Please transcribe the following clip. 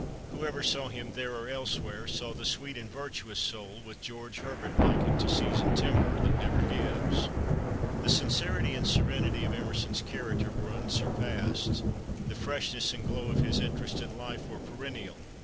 Whoever saw him there or elsewhere, saw the "sweet and virtuous soul" which George Herbert likened to seasoned timber that never gives. The sincerity and serenity of Emerson's character were unsurpassed. The freshness and glow of his interest in life were perennial.